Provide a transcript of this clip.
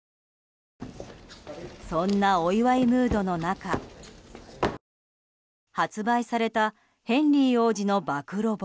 そんな、お祝いムードの中発売されたヘンリー王子の暴露本。